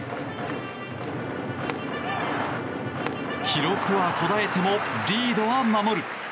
記録は途絶えてもリードは守る。